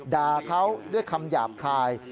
ด่าเขาด้วยคำหยาบคาย